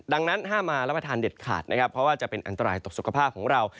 ดังนั้นห้ามมารับประทานเด็ดขาดนะครับเพราะว่าจะเป็นอันตรายต่อสุขภาพของเรา